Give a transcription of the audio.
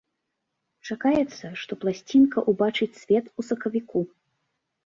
Чакаецца, што пласцінка ўбачыць свет у сакавіку.